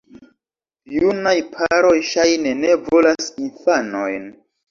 Junaj paroj, ŝajne, ne volas infanojn.